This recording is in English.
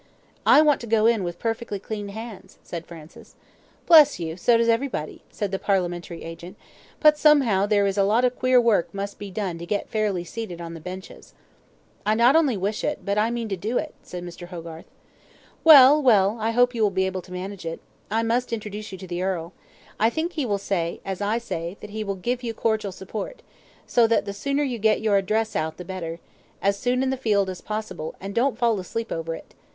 "I want to go in with perfectly clean hands," said Francis. "Bless you, so does everybody," said the parliamentary agent; "but somehow there is a lot of queer work must be done to get fairly seated on the benches." "I not only wish it, but I mean to do it," said Mr. Hogarth. "Well, well I hope you will be able to manage it. I must introduce you to the earl. I think he will say, as I say, that he will give you cordial support; so that the sooner you get your address out the better as soon in the field as possible, and don't fall asleep over it.